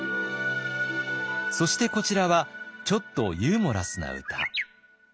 そしてこちらはちょっとユーモラスな歌。